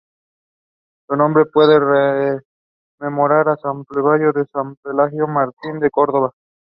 Su nombre puede rememorar a San Pelayo o San Pelagio, mártir en Córdoba.